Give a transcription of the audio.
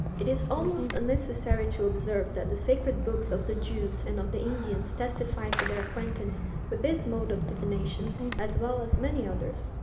It is almost unnecessary to observe that the sacred books of the Jews and of the Indians testify to their acquaintance with this mode of divination, as well as many others.